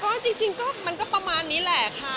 ก็จริงก็มันก็ประมาณนี้แหละค่ะ